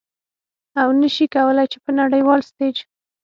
او نشي کولې چې په نړیوال ستیج